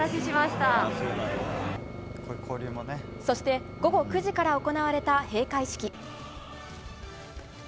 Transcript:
そし午後９時から行われた閉会式。